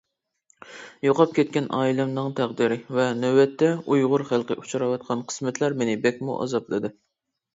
يوقاپ كەتكەن ئائىلەمنىڭ تەقدىرى ۋە نۆۋەتتە ئۇيغۇر خەلقى ئۇچراۋاتقان قىسمەتلەر مېنى بەكمۇ ئازابلىدى.